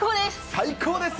最高です。